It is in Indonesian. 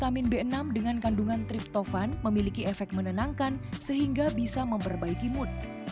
memiliki efek menenangkan sehingga bisa memperbaiki mood